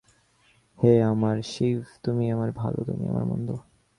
হে আমার শিব, তুমিই আমার ভাল, তুমিই আমার মন্দ।